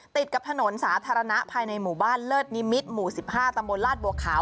ติดกับถนนสาธารณะภายในหมู่บ้านเลิศนิมิตรหมู่๑๕ตำบลลาดบัวขาว